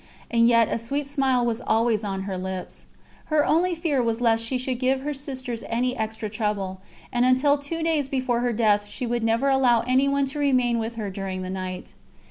And yet a sweet smile was always on her lips. Her only fear was lest she should give her Sisters any extra trouble, and until two days before her death she would never allow any one to remain with her during the night.